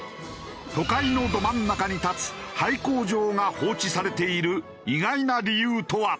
都会のど真ん中に立つ廃工場が放置されている意外な理由とは？